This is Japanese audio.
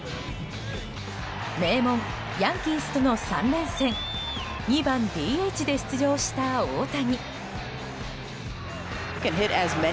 名門ヤンキースとの３連戦２番ＤＨで出場した大谷。